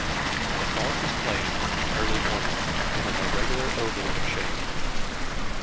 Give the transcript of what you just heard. The font is plain and early Norman and an irregular oval in shape.